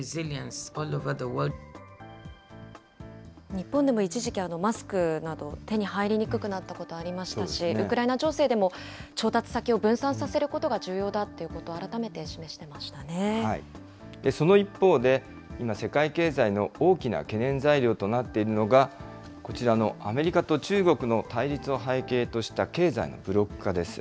日本でも一時期、マスクなど手に入りにくくなったことありましたし、ウクライナ情勢でも調達先を分散させることが重要だということ、その一方で、今、世界経済の大きな懸念材料となっているのが、こちらのアメリカと中国の対立を背景とした経済のブロック化です。